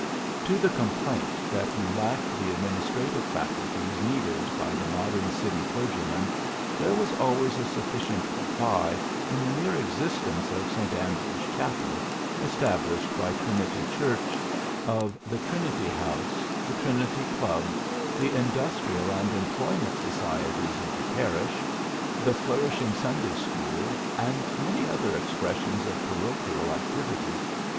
To the complaint that he lacked the administrative faculties needed by the modern city clergyman, there was always a sufficient reply in the mere existence of St. Andrew's chapel, established by Trinity Church, of the Trinity House, the Trinity Club, the industrial and em ployment societies of the parish, the 70 PHILLIPS BEOOKS flourishing Sunday school, and many other expressions of parochial activity.